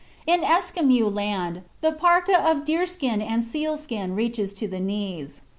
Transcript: In Esquimau land the parka of deerskin and sealskin reaches to the knees.